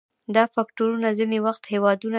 دا فکتورونه ځینې وخت هیوادونه جګړو ته هڅوي